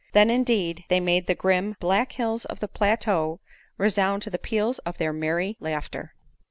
Then, indeed, they made the grim, black hills of the plateau resound to the peals of their merry laughter.